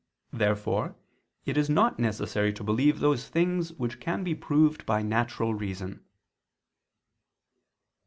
Therefore it is not necessary to believe those things which can be proved by natural reason.